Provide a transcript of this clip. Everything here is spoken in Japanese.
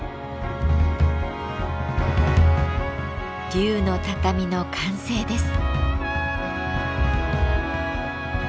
龍の畳の完成です。